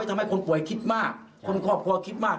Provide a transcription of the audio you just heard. ทำให้คนป่วยคิดมากคนครอบครัวคิดมาก